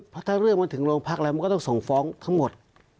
เพราะถ้าเรื่องมันถึงโรงพักแล้วมันก็ต้องส่งฟ้องทั้งหมด